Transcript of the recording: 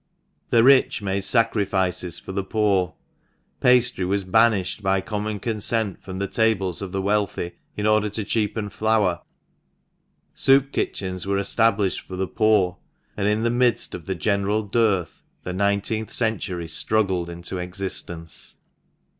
The rich made sacrifices for the poor; pastry was banished by common consent from the tables of the wealthy in order to cheapen flour ; soup kitchens were established for the poor, and in the midst of the general dearth the nineteenth century struggled into existence.